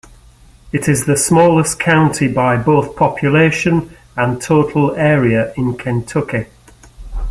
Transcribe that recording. It is the smallest county by both population and total area in Kentucky.